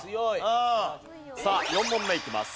さあ４問目いきます。